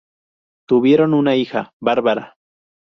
Tuvieron una hija, Barbara.